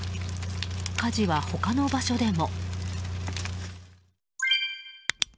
火事は、他の場所でも。